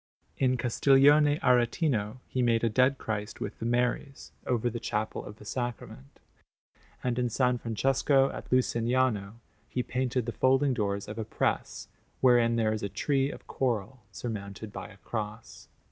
In Castiglione Aretino he made a Dead Christ, with the Maries, over the Chapel of the Sacrament; and in S. Francesco, at Lucignano, he painted the folding doors of a press, wherein there is a tree of coral surmounted by a cross.